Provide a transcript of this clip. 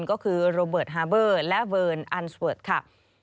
ก็คือโรเบิร์ตฮาเบอร์และเวิร์นอันสเวิร์ดค่ะ